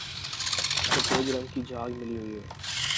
سفید رنگ کی جھاگ ملی ہوئی ہے